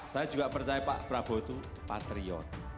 saya juga percaya pak prabowo itu patriot